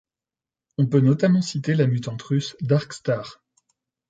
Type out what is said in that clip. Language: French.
On peut notamment citer la mutante russe Darkstar.